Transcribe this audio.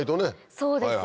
そうですよね。